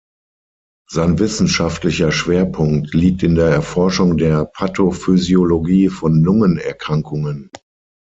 Sein wissenschaftlicher Schwerpunkt liegt in der Erforschung der Pathophysiologie von Lungenerkrankungen.